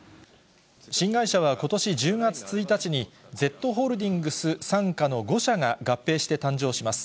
新会社はことし１０月１日にＺホールディングス傘下の５社が合併して誕生します。